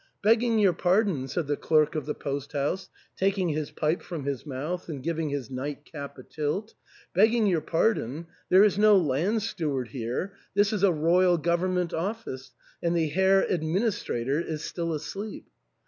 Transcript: " Begging your pardon," said the clerk of the post house, taking his pipe from his mouth and giving his night cap a tilt, "begging your pardon ; there is no land steward here ; this is a Royal Government office, and the Herr Administrator is still asleep."